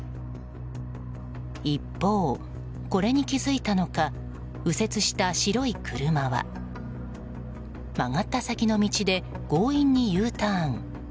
一方、これに気付いたのか右折した白い車は曲がった先の道で強引にＵターン。